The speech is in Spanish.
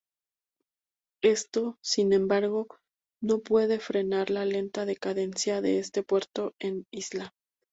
Esto, sin embargo, no pude frenar la lenta decadencia de este puerto e isla.